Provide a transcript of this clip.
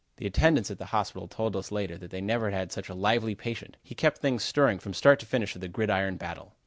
The attendants at the hospital told us later that they never had had such a lively patient. He kept things stirring from start to finish of the gridiron battle.